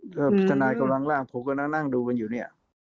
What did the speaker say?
พิจารณากับหลังผมก็นั่งดูกันอยู่เนี่ย